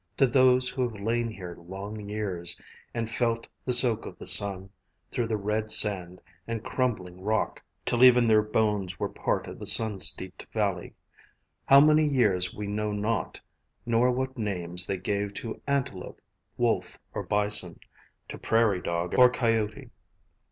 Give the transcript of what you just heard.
To those who have lain here long years And felt the soak of the sun Through the red sand and crumbling rock, Till even their bones were part of the sun steeped valley; How many years we know not, nor what names They gave to antelope, wolf, or bison. To prairie dog or coyote.